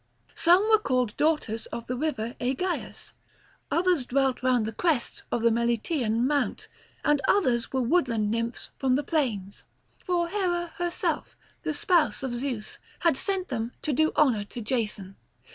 Some were called daughters of the river Aegaeus; others dwelt round the crests of the Meliteian mount; and others were woodland nymphs from the plains. For Hera herself, the spouse of Zeus, had sent them to do honour to Jason.